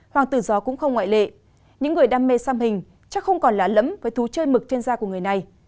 hoàng tử gió cũng không ngoại lệ những người đam mê xăm hình chắc không còn lã lẫm với thú chơi mực trên da của người này